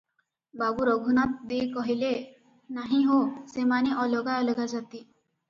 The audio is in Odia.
ବାବୁ ରଘୁନାଥ ଦେ କହିଲେ, "ନାହିଁ ହୋ, ସେମାନେ ଅଲଗା ଅଲଗା ଜାତି ।